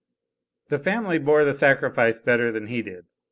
The family bore the sacrifice better than he did.